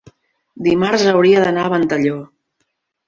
dimarts hauria d'anar a Ventalló.